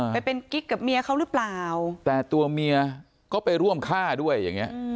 ไปเป็นกิ๊กกับเมียเขาหรือเปล่าแต่ตัวเมียก็ไปร่วมฆ่าด้วยอย่างเงี้ย